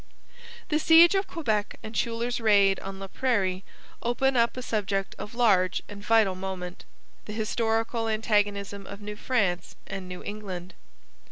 The siege of Quebec and Schuyler's raid on Laprairie open up a subject of large and vital moment the historical antagonism of New France and New England.